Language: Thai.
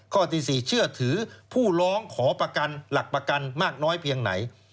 ข้อที่๔เชื่อถือผู้ร้องขอประกันหลักประกันมากน้อยเพียงไหน